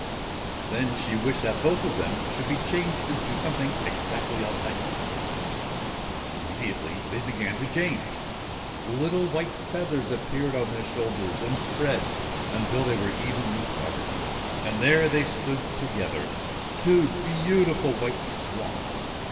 Then she wished that both of them should be changed into something exactly alike ! Immediately they began to change. Little white feathers appeared on their shoulders and spread until they were entirely covered ; and there they stood together, two beautiful white swans